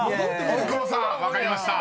［大久保さん分かりました。